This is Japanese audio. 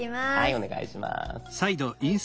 お願いします。